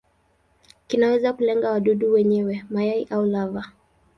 Kinaweza kulenga wadudu wenyewe, mayai au lava.